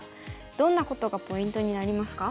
どんなことがポイントになりますか？